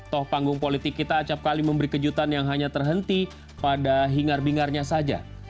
toh panggung politik kita acapkali memberi kejutan yang hanya terhenti pada hingar bingarnya saja